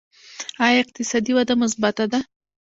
آیا اقتصادي وده مثبته ده؟